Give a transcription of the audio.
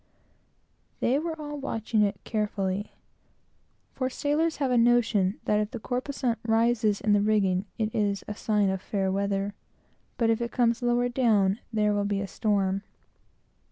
They were all watching it carefully, for sailors have a notion that if the corposant rises in the rigging, it is a sign of fair weather, but if it comes lower down, there will be a storm.